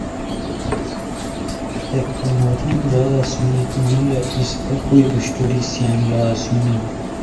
ہے کوموران را سونی کی نو لا اسپہ کوئی اوشٹوریسیان را اسونی